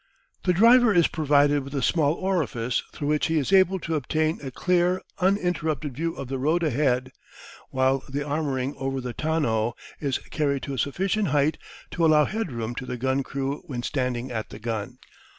The driver is provided with a small orifice through which he is able to obtain a clear uninterrupted view of the road ahead, while the armouring over the tonneau is carried to a sufficient height to allow head room to the gun crew when standing at the gun.